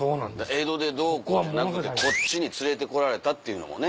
江戸でどうこうじゃなくてこっちに連れてこられたっていうのもね